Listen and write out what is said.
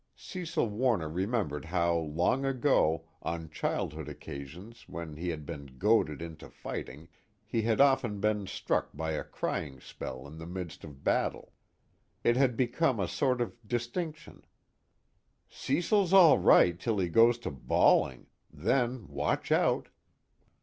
Cecil Warner remembered how, long ago, on childhood occasions when he had been goaded into fighting, he had often been struck by a crying spell in the midst of battle. It had become a sort of distinction: "_Cecil's all right till he goes to bawling then watch out!